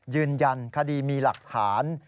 ยืนยันคดีมีหลักฐาน